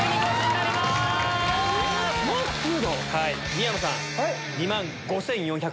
宮野さん。